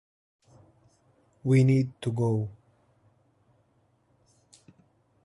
We need to go.